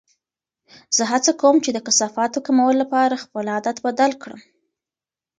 زه هڅه کوم چې د کثافاتو کمولو لپاره خپل عادت بدل کړم.